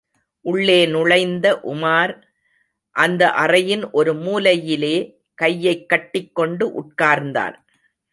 உள்ளே நுழைந்த உமார் அந்த அறையின் ஒரு மூலையிலே, கையைக் கட்டிக் கொண்டு உட்கார்ந்தான்.